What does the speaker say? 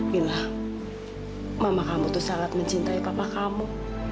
bilang mama kamu tuh sangat mencintai papa kamu